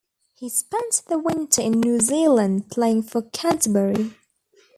He spent the winter in New Zealand playing for Canterbury.